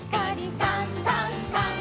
「さんさんさん」